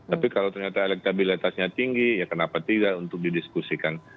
tapi kalau ternyata elektabilitasnya tinggi ya kenapa tidak untuk didiskusikan